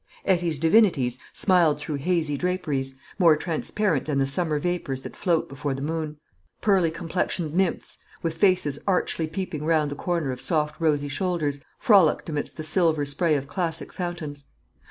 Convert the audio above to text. Etty's divinities smiled through hazy draperies, more transparent than the summer vapours that float before the moon. Pearly complexioned nymphs, with faces archly peeping round the corner of soft rosy shoulders, frolicked amidst the silver spray of classic fountains.